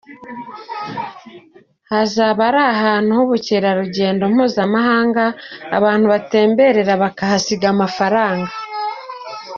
Hazaba ari ahantu h’ubukerarugendo mpuzamahanga, abantu batemberera bakasiga amafaranga.